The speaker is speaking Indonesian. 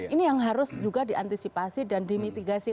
ini yang harus juga diantisipasi dan dimitigasi